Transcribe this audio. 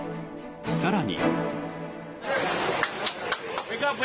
更に。